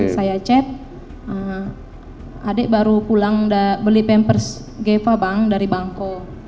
saya cek adik baru pulang beli pampers geva bang dari bangko